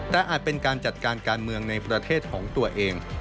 แต่อาจเป็นการจัดการการเมืองในประเทศของตัวเอง